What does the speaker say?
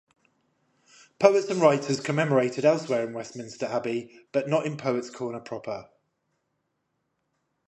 Poets and writers commemorated elsewhere in Westminster Abbey, but not in Poets' Corner proper.